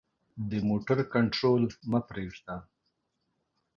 د موټر کنټرول مه پریږده.